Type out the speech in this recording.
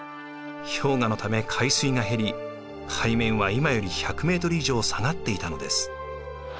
氷河のため海水が減り海面は今より１００ｍ以上下がっていたのです。